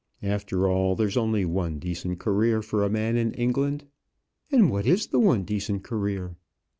"After all, there's only one decent career for a man in England." "And what is the one decent career?"